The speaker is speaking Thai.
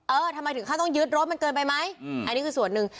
เออทำไมถึงขั้นต้องยึดรถมันเกินไปไหมอันนี้คือส่วนหนึ่ง